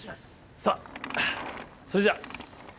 さあそれじゃ倉敷